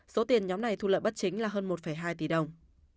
số tiền nhóm này thu lợi bất chính là hơn một hai tỷ đồng